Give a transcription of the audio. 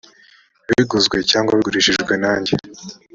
biguzwe cyangwa bigurishijwe nanjye